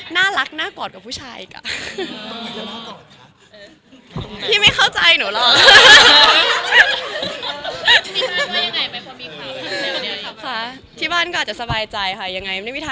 น่ารักน่ากอดกับผู้ชายอีก